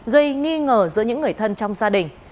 gây nghi ngờ giữa những người thân trong gia đình